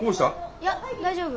いや大丈夫。